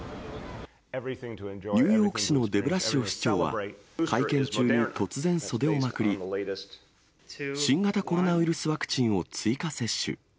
ニューヨーク市のデブラシオ市長は会見中に突然、袖をまくり、新型コロナウイルスワクチンを追加接種。